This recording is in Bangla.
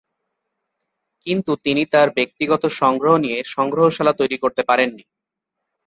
কিন্তু তিনি তার ব্যক্তিগত সংগ্রহ নিয়ে সংগ্রহশালা তৈরি করতে পারেননি।